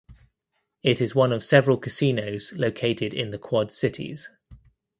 It is one of several casinos located in the Quad Cities.